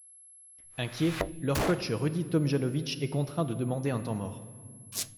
Inquiet, leur coach Rudy Tomjanovich est contraint de demander un temps-mort.